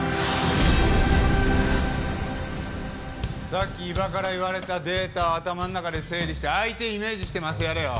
さっき伊庭から言われたデータ頭の中で整理して相手イメージしてマスやれよ。